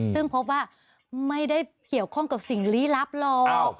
ซึ่งพบว่าไม่ได้เกี่ยวข้องกับสิ่งลี้ลับหรอก